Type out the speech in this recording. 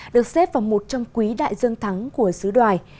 được xếp vào một trong quý đại dương thắng của sứ đoài